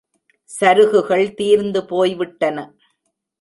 சருகுகள் தீர்ந்து போய்விட்டன.